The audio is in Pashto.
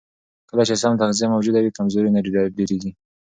کله چې سم تغذیه موجوده وي، کمزوري نه ډېرېږي.